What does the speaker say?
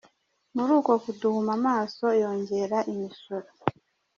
Muri uko kuduhuma amaso, yongera imisoro.